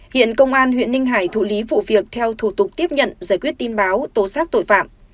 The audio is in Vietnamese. hiện công an huyện ninh hải thụ lý vụ việc theo thủ tục tiếp nhận giải quyết tin báo tố xác tội phạm